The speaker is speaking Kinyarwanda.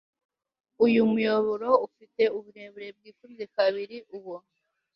Uyu muyoboro ufite uburebure bwikubye kabiri uwo